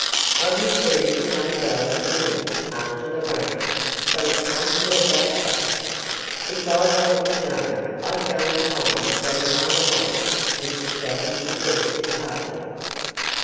I returned his umbrella to him, after the rain. So it can't be about that." "If I wanted to know, I'd go and find Grandfather Mole," Mrs. Robin suggested tartly.